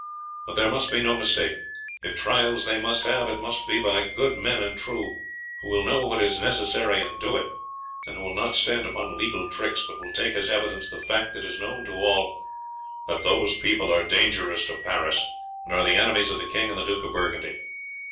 But there must be no mistake; if trials they must have, it must be by good men and true, who will know what is necessary and do it; and who will not stand upon legal tricks, but will take as evidence the fact that is known to all, that those people are dangerous to Paris and are the enemies of the king and the Duke of Burgundy.